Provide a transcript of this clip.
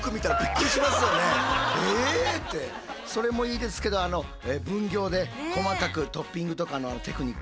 それもいいですけど分業で細かくトッピングとかのテクニックも。